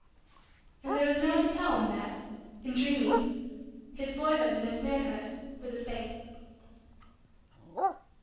And there was no one to tell him that, in dreaming, his boyhood and his manhood were the same.